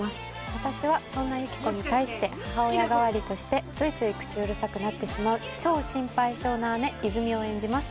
私はそんなユキコに対して母親代わりとしてついつい口うるさくなってしまう超心配性な姉イズミを演じます。